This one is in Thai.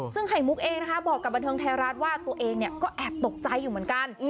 ซึ่งไข่มุกเองนะคะบอกกับบันเทิงไทยรัฐว่าตัวเองก็แอบตกใจอยู่เหมือนกัน